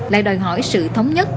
lại đòi hỏi sự thống nhất